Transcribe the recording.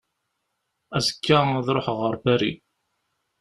Azekka ad ruḥeɣ ɣer Paris.